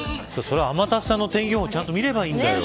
天達さんの天気予報ちゃんと見ればいいんだよ。